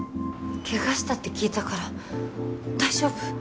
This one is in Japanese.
ケガしたって聞いたから大丈夫？